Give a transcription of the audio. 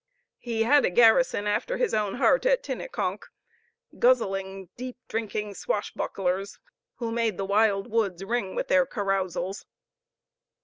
He had a garrison after his own heart at Tinnekonk, guzzling, deep drinking swashbucklers, who made the wild woods ring with their carousals.